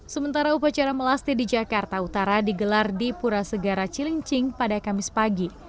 sementara upacara melasti di jakarta utara digelar di pura segara cilincing pada kamis pagi